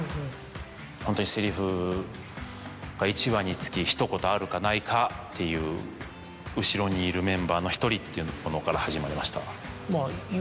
ホントにセリフが１話につきひと言あるかないかっていう後ろにいるメンバーの１人っていうものから始まりました。